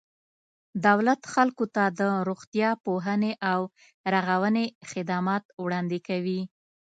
دولت خلکو ته د روغتیا، پوهنې او رغونې خدمات وړاندې کوي.